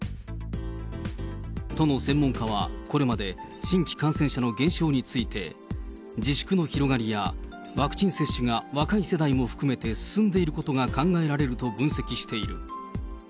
都の専門家は、これまで新規感染者の減少について、自粛の広がりや、ワクチン接種が若い世代も含めて進んでいることが考えられると分析している。